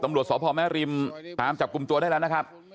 ตำรวจสพแม่ริมตามจับกลุ่มตัวได้แล้วนะครับ